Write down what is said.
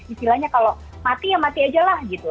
istilahnya kalau mati ya mati aja lah gitu